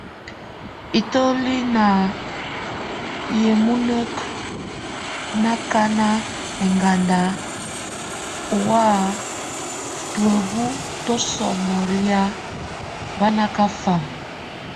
Itóli na yemuneke nakan eŋgandak ɔ há tuebue tusɔmɔ lia, bá nakafam.